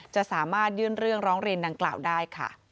จะสามารถยื่นเรื่องร้องเรียนดังกล่าวได้ค่ะ